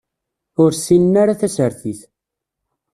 Ur ssinen ara tasertit.